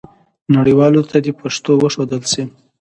نړیوالو ته دې پښتو وښودل سي.